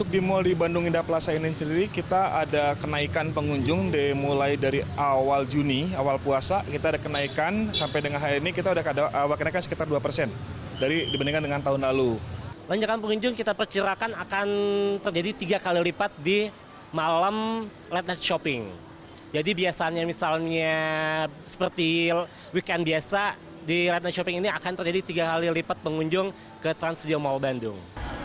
jadi biasanya misalnya seperti weekend biasa di ratna shopping ini akan terjadi tiga kali lipat pengunjung ke transdio mall bandung